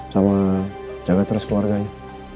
sama jago terus keluarganya